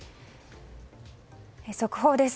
速報です。